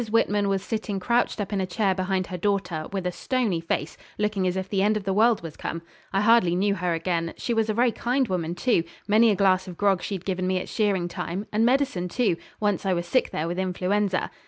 Whitman was sitting crouched up in a chair behind her daughter, with a stony face, looking as if the end of the world was come. I hardly knew her again. She was a very kind woman, too; many a glass of grog she'd given me at shearing time, and medicine too, once I was sick there with influenza.